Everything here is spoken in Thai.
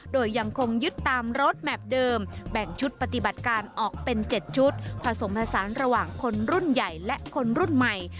โดยยังคงยึดตามรถแมพเดิมแบ่งชุดปฏิบัติการออกเป็น๗ชุดผสมผสานระหว่างคนรุ่นใหญ่และคนรุ่นใหม่